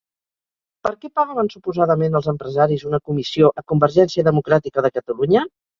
Per què pagaven suposadament els empresaris una comissió a Convergència Democràtica de Catalunya?